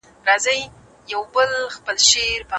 د کور شرایط باید ناسم نه وي.